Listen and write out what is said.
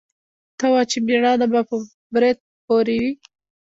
ته وا چې مېړانه به په برېت پورې وي.